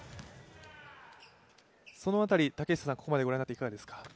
その辺り、ここまでご覧になっていかがですか。